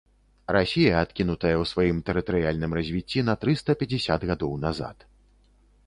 Расія адкінутая ў сваім тэрытарыяльным развіцці на трыста пяцьдзясят гадоў назад.